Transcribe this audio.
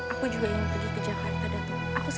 aku juga ingin pergi ke jakarta datang